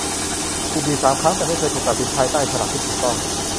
ถูกบีบสามครั้ง แต่ไม่เคยถูกตัดสินภายใต้ฉลากที่ถูกต้อง